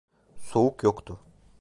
Soğuk yoktu…